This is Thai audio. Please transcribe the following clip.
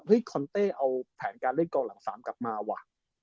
คอนเต้เอาแผนการเล่นกองหลัง๓กลับมาว่ะ